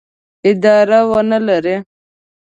اداره ونه لري.